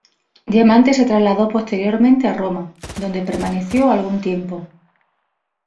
Diamante se trasladó posteriormente a Roma, donde permaneció algún tiempo.